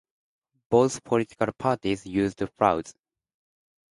Both political parties used frauds.